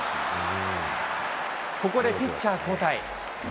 ここでピッチャー交代。